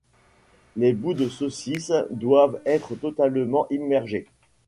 Les bouts de saucisse doivent être totalement immergés.